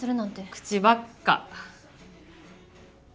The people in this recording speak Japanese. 口ばっか。